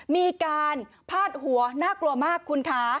มีการพาดหัวน่ากลัวมากคุณคะ